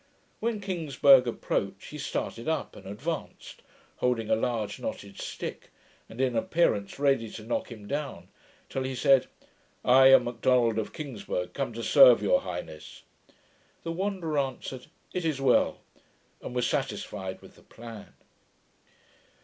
When Kingsburgh approached, he started up, and advanced, holding a large knotted stick, and in appearance ready to knock him down, till he said, 'I am Macdonald of Kingsburgh, come to serve your highness.' The Wanderer answered, 'It is well,' and was satisfied with the plan.